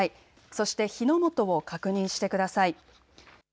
そして火の元を確認してください。